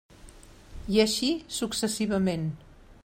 I així successivament.